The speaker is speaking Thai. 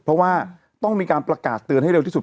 เพราะว่าต้องมีการประกาศเตือนให้เร็วที่สุด